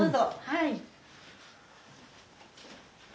はい。